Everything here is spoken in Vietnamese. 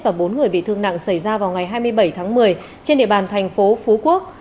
và bốn người bị thương nặng xảy ra vào ngày hai mươi bảy tháng một mươi trên địa bàn thành phố phú quốc